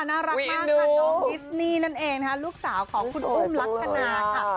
น่ารักมากค่ะน้องดิสนี่นั่นเองนะคะลูกสาวของคุณอุ้มลักษณะค่ะ